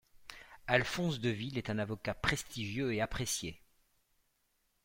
Alphonse Deville est un avocat prestigieux et apprécié.